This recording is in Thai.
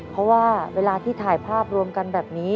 เพราะว่าเวลาที่ถ่ายภาพรวมกันแบบนี้